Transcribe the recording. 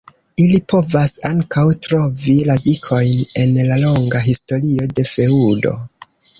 Ili povas ankaŭ trovi radikojn en la longa historio de feŭdo.